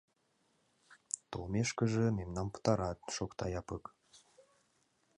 — Толмешкыже, мемнам пытарат, — шокта Япык.